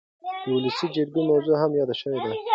د ولسي جرګې موضوع هم یاده شوې ده.